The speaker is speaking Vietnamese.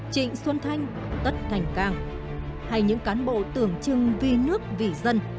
trịnh xuân thanh tất thành càng hay những cán bộ tưởng trưng vì nước vì dân